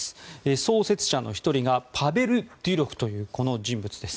創設者の１人がパベル・デュロフというこの人物です。